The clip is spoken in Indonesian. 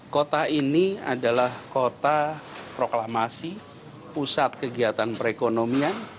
kota ini adalah kota proklamasi pusat kegiatan perekonomian